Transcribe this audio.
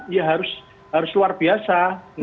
ya harus luar biasa